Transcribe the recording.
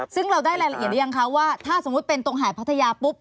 ซึ่งเราได้รายละเอียดหรือยังคะว่าถ้าสมมุติเป็นตรงหาดพัทยาปุ๊บ